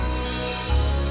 saya benci dibohongi